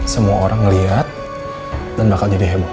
semua orang melihat dan bakal jadi heboh